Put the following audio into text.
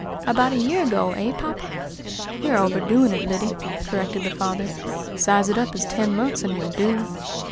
"About a year ago, eh, poppa?" "You are overdoing it, Lyddy," corrected the father. "Size it up as ten months, and you'll do."